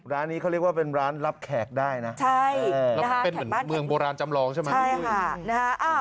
ร้านนี้เขาเรียกว่าเป็นร้านรับแขกได้นะแล้วเป็นเหมือนเมืองโบราณจำลองใช่ไหมพี่ปุ้ย